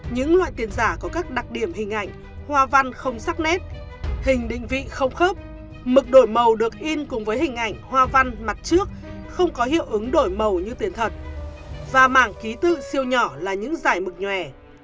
những loại tiền giả có các đặc điểm hình ảnh hoa văn không sắc nét hình định vị không khớp mực đổi màu được in cùng với hình ảnh hoa văn mặt trước không có hiệu ứng đổi màu như tiền thật và mảng ký tự siêu nhỏ là những giải mực nhòe